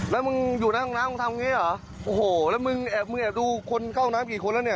แล้วมึงอยู่ในห้องน้ำทำแบบนี้หรอโอ้โหแล้วมึงแอบดูเข้าห้องน้ำกี่คนแล้วเนี่ย